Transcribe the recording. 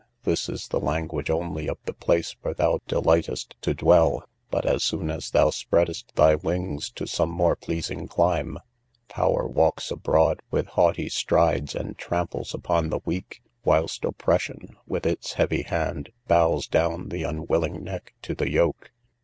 This is the language only of the place where thou delightest to dwell; but, as soon as thou spreadest thy wings to some more pleasing clime, power walks abroad with haughty strides, and tramples upon the weak, whilst oppression, with its heavy hand, bows down the unwilling neck to the yoke.